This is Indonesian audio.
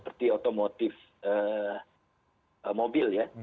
seperti otomotif mobil ya